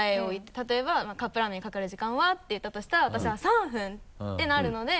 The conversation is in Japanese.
例えば「カップラーメンにかかる時間は？」って言ったとしたら私は「３分」ってなるので。